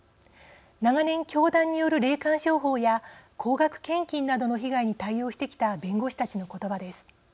長年教団による霊感商法や高額献金などの被害に対応してきた弁護士たちの言葉です。